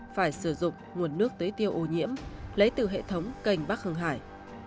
phải sử dụng nguồn nước tưới tiêu ô nhiễm lấy từ hệ thống cành bắc hưng hải